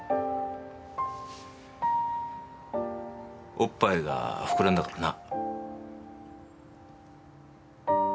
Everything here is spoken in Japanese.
おっぱいが膨らんだからな。